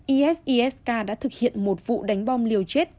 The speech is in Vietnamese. isis k đã thực hiện một vụ đánh bom liều chết